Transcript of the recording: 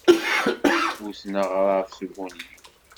Wten aɣrab s ubunyiw.